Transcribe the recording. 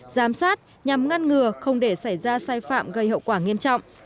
giám sát nhằm ngăn ngừa không để xảy ra sai phạm gây hậu quả nghiêm trọng